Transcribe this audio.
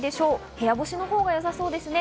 部屋干しのほうがよさそうですね。